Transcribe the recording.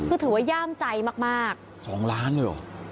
คือถือว่าย่ามใจมาก๒ล้านเลยเหรอ